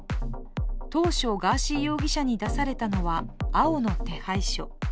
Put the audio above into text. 当初、ガーシー容疑者に出されたのは青の手配書。